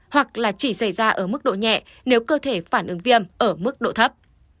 hoặc là chỉ xảy ra ở mức độ nhẹ nếu cơ thể phản ứng viêm ở mức độ thấp